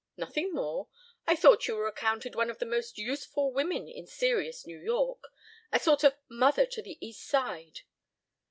"Nothing more? I thought you were accounted one of the most useful women in serious New York. A sort of mother to the East Side."